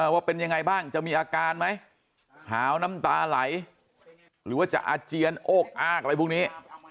ว่าเป็นยังไงบ้างจะมีอาการไหมหาวน้ำตาไหลหรือว่าจะอาเจียนโอ๊กอากอะไรพวกนี้